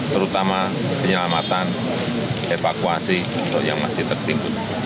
terutama penyelamatan evakuasi untuk yang masih tertimbun